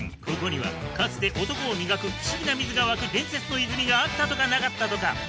ここにはかつて男を磨く不思議な水が湧く伝説の泉があったとかなかったとか